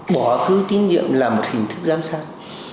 bỏ phiếu tín nhiệm là một hình thức giám sát